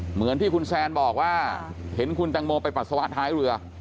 เหมือนที่คุณแซนบอกว่าเห็นคุณแตงโมไปปัสสาวะท้ายเรือ